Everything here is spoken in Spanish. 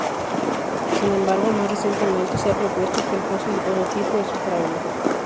Sin embargo, más recientemente se ha propuesto que el fósil holotipo es un fraude.